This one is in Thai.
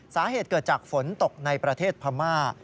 สาเหตุเกิดจากฝนตกในประเทศพม่า